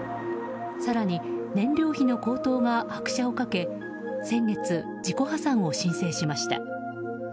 更に、燃料費の高騰が拍車をかけ先月、自己破産を申請しました。